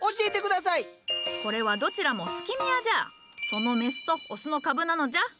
そのメスとオスの株なのじゃ。